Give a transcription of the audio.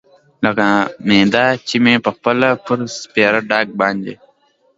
لکه معده چې مې پخپله پر سپېره ډاګ باندې.